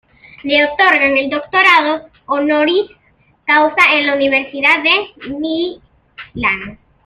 Le otorgan el doctorado honoris causa en la Universidad de Milán.